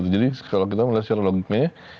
jadi kalau kita melihat secara logiknya